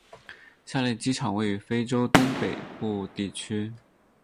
下列机场位于非洲东北部地区。